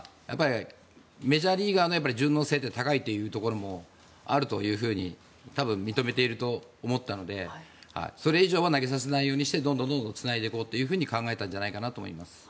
メジャーリーガーの順応性が高いというところもあるというふうに多分認めていると思ったのでそれ以上は投げさせないようにしてどんどんつないでいこうと考えたんじゃないかなと思います。